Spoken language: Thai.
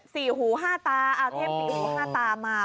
สี่หูห้าตาเอาเทพสี่หูห้าตามา